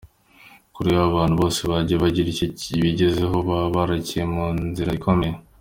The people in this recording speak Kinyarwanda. Kuri we abantu bose bagiye bagira icyo bigezaho, baba baraciye mu nzira ikomeye.